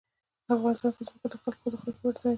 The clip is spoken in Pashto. افغانستان کې ځمکه د خلکو د خوښې وړ ځای دی.